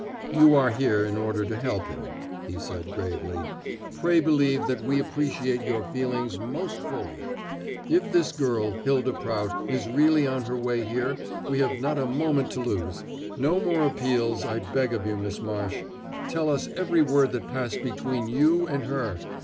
"You are here in order to help him," he said gravely. "Pray believe that we appreciate your feelings most fully. If this girl, Hylda Prout, is really on her way here we have not a moment to lose. No more appeals, I beg of you, Miss Marsh. Tell us every word that passed between you and her.